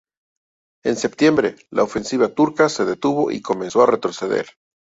En septiembre, la ofensiva turca se detuvo y comenzó a retroceder.